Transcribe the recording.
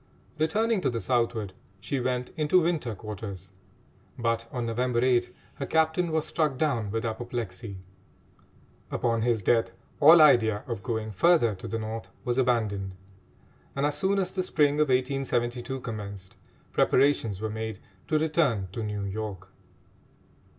Returning to the southward, she went into winter quarters; but on November 8 her captain was struck down with apoplexy. Upon his death all idea of going further to the North was abandoned, and, as soon as the spring of 1872 commenced, preparations were made to return to New York.